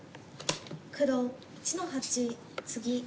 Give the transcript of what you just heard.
黒１の八ツギ。